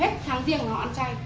hết thằng riêng mà họ ăn chay